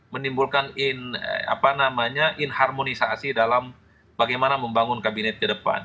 menimbulkan inharmonisasi dalam bagaimana membangun kabinet ke depan